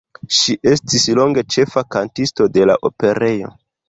Ŝi estis longe ĉefa kantisto de la Operejo.